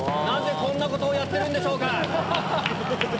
なぜこんなことをやってるんでしょうか。